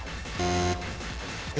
え